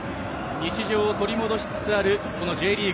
日常を取り戻しつつあるＪリーグ